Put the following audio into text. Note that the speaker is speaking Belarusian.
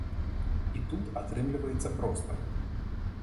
І тут атрымліваецца проста.